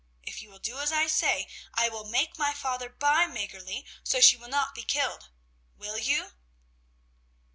If you will do as I say, I will make my father buy Mäggerli, so she will not be killed. Will you?"